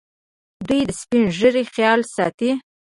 دوی د سپین ږیرو خیال ساتي.